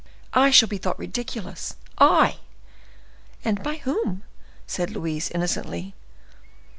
I shall be thought ridiculous—I!" "And by whom?" said Louise, innocently.